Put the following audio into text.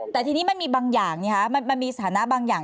แต่ทีนี้มันมีบางอย่างมันมีสถานะบางอย่าง